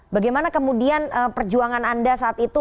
bagaimana kemudian perjuangan anda saat itu